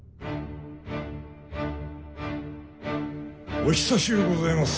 お久しゅうございます